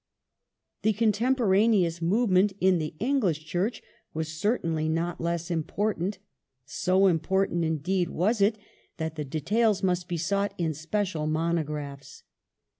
The contemporaneous movement in the English Church was The Ox certainly not less important, so important indeed was it that the ^°^^ Move details must be sought in special monographs.